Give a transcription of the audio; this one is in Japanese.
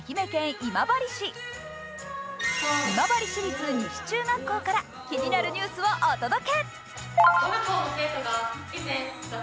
今治市立西中学校から気になるニュースをお届け。